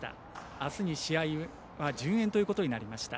あすに試合は順延ということになりました。